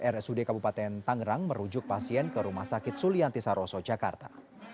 rsud kabupaten tangerang merujuk pasien ke rumah sakit sulianti saroso jakarta